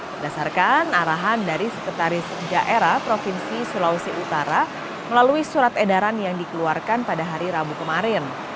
berdasarkan arahan dari sekretaris daerah provinsi sulawesi utara melalui surat edaran yang dikeluarkan pada hari rabu kemarin